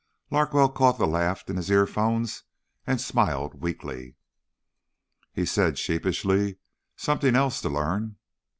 Larkwell caught the laugh in his earphones and smiled weakly. He said sheepishly, "Something else to learn."